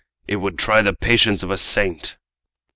"It would try the patience of a saint!"